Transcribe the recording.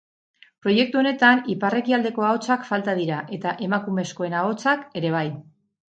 Proiektu honetan ipar-ekialdeko ahotsak falta dira, eta emakumezkoen ahotsak ere bai.